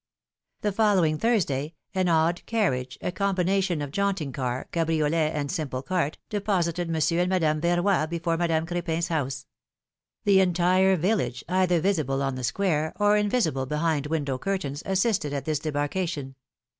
T he following Thursday, an odd carriage, a com bination of jaunting car, cabriolet and simple cart, deposited Monsieur and Madame Verroy before Madame Crepiifs house. The entire village, either visible on the square, or invisible behind window curtains, assisted at this debarcation.